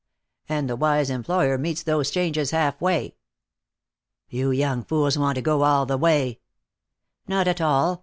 And the wise employer meets those changes half way." "You young fools want to go all the way." "Not at all.